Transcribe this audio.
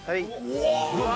うわ！